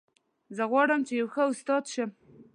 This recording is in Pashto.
زه غواړم چې یو ښه استاد شم